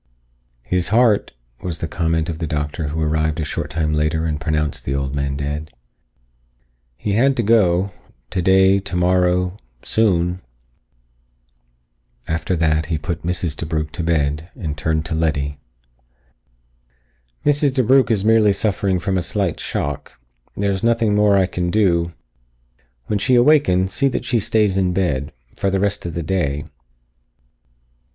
"His heart," was the comment of the doctor who arrived a short time later and pronounced the old man dead. "He had to go. Today, tomorrow. Soon." After that, he put Mrs. DeBrugh to bed and turned to Letty. "Mrs. DeBrugh is merely suffering from a slight shock. There is nothing more that I can do. When she awakens, see that she stays in bed. For the rest of the day."